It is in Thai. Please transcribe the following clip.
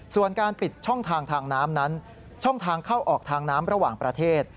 ส่วนการปิดช่องทางทางน้ำนั้นช่องทางเข้าออกทางน้ำระหว่างประเทศ